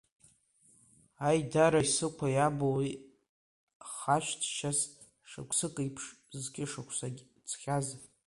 Аидара исықәу иамоуи хашҭшьас, шықәсык еиԥш, зқьышықәсагь ҵхьаз.